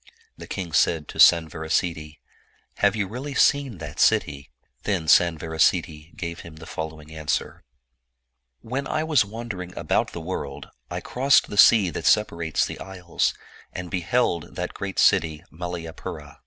The king said to Sanvarasiddhi, '' Have you really seen that city?" Then Sanvarasiddhi gave him the following answer: " When I was wandering about the world, I crossed the sea that separates the isles, and beheld that great city Malayapura.